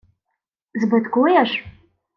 — Збиткуєш?!